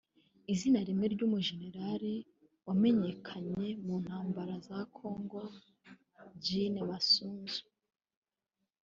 Izina rimwe n’iry’Umugenerali wamenyekanye mu ntambara za Kongo ; Gen Masunzu